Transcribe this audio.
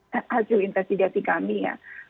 hasil investigasi kami ya